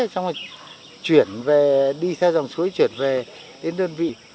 xong rồi chuyển về đi xa dòng suối chuyển về đến đơn vị